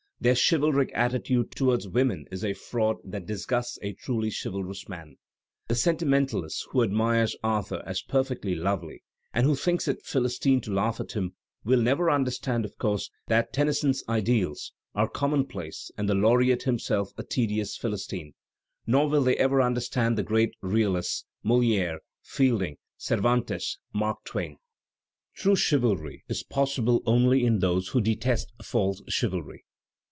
Their chivalric attitude toward women is a fraud that disgusts a truly chivalrous man. The sentimentalist who admires Arthur as "perfectly lovely" and who thinks it philistine to laugh at him, will never imderstand, of course, that Tennyson's Idyls are conmionplace and the laureate himself a tedious philistine; nor will they ever understand the great realists, Molidre, Fielding, Cervantes, Mark Twain. True chivalry is possible only in those who detest false chivalry.